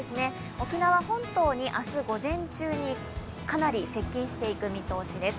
沖縄本島に明日午前中にかなり接近する見込みです。